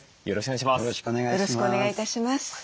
よろしくお願いします。